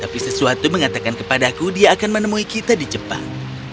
tapi sesuatu mengatakan kepadaku dia akan menemui kita di jepang